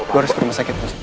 gue harus ke rumah sakit